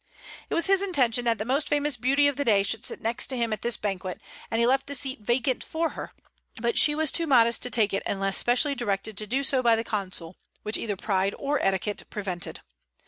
It was his intention that the most famous beauty of the day should sit next to him at this banquet, and he left the seat vacant for her; but she was too modest to take it unless specially directed to do so by the Consul, which either pride or etiquette prevented.